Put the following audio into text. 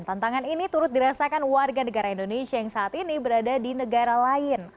tantangan ini turut dirasakan warga negara indonesia yang saat ini berada di negara lain